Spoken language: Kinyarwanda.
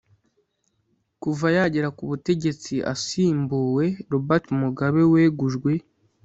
Kuva yagera ku butegetsi asimbuwe Robert Mugabe wegujwe